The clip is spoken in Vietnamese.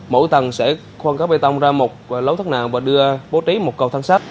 mẫu tầng sẽ khoan các bê tông ra một lối thất nạn và đưa bố trí một cầu thăng sát